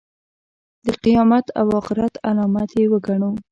د قیامت او آخرت علامت یې وګڼو.